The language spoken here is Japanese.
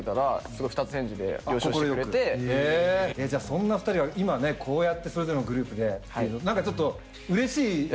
そんな２人が今こうやってそれぞれのグループで何かちょっとうれしいよね？